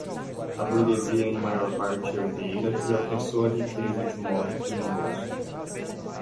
A burguesia é, em maior parte, herdeira e alcançou a riqueza de modo criminoso